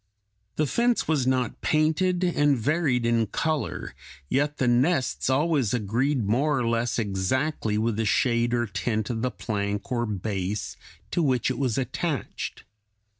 The fence was not painted, and varied in color, yet the nests always agreed more or less exactly with the shade or tint of the plank or base to which it was attached.